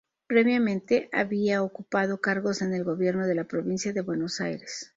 Previamente, había ocupado cargos en el gobierno de la provincia de Buenos Aires.